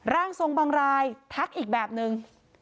ร่างทรงบางรายทักอีกแบบนึง